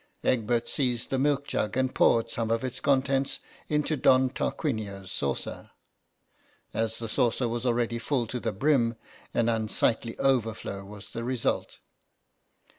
Egbert seized the milk jug and poured some of its contents into Don Tarquinio's saucer ; as the saucer was already full to the brim an unsightly overflow was the result.